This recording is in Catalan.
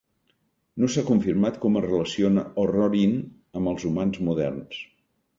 No s'ha confirmat com es relaciona "Orrorin" amb els humans moderns.